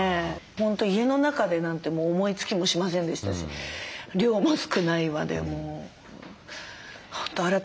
本当家の中でなんてもう思いつきもしませんでしたし量も少ないわでもう本当改めます。